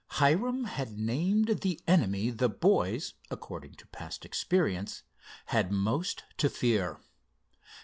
Hiram had named the enemy the boys, according to past experience, had most to fear.